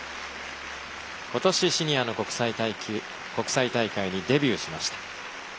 今年シニアの国際大会にデビューしました。